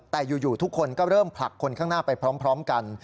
แต่อยู่ทุกคนก็เริ่มผลักคนข้างหน้าไปพร้อมกัน